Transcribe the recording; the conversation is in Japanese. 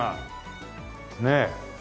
ねえ。